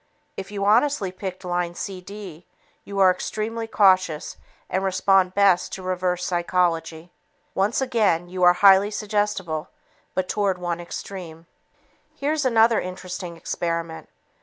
If you honestly picked line CD, you are extremely cautious and respond best to "reverse psychology." Once again you are highly suggestible, but toward one extreme. Here's another interesting experiment.